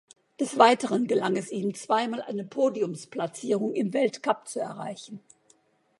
Des Weiteren gelang es ihm zweimal eine Podiumsplatzierung im Weltcup zu erreichen.